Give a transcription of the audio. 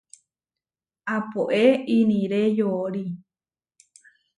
Apoé iniré yoorí.